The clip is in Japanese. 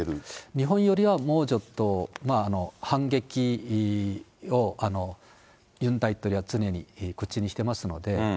日本よりはもうちょっと反撃をユン大統領は常に口にしてますので。